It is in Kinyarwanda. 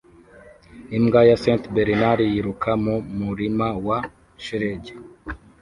Imbwa ya St Bernard yiruka mu murima wa shelegi